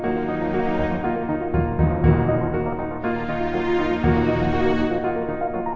kepada saudara panitra silakan saudari terdakwa dibawa masuk